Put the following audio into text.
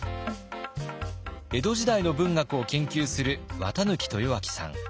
江戸時代の文学を研究する綿抜豊昭さん。